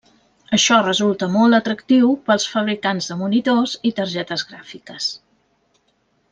Això resulta molt atractiu pels fabricants de monitors i targetes gràfiques.